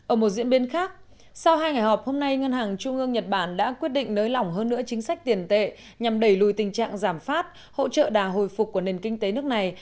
ở một diễn biến khác sau hai ngày họp hôm nay ngân hàng trung ương nhật bản đã quyết định nới lỏng hơn nữa chính sách tiền tệ nhằm đẩy lùi tình trạng giảm phát hỗ trợ đà hồi phục của nền kinh tế nước này